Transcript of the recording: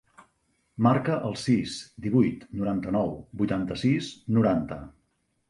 Marca el sis, divuit, noranta-nou, vuitanta-sis, noranta.